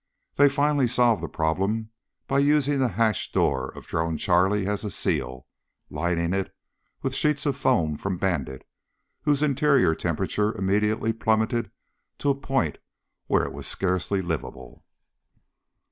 They finally solved the problem by using the hatch door of Drone Charlie as a seal, lining it with sheets of foam from Bandit, whose interior temperature immediately plummeted to a point where it was scarcely livable.